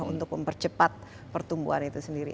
untuk mempercepat pertumbuhan itu sendiri